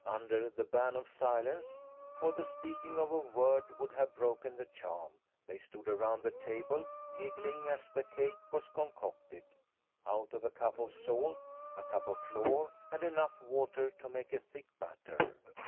Under the ban of silence (for the speaking of a word would have broken the charm) they stood around the table, giggling as the cake was concocted, out of a cup of salt, a cup of flour, and enough water to make a thick batter.